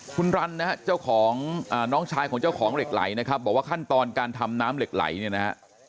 คุณรันนะฮะเจ้าของน้องชายของเจ้าของเหล็กไหลนะครับบอกว่าขั้นตอนการทำน้ำเหล็กไหลเนี่ยนะฮะ